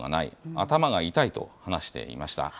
頭が痛いと話していました。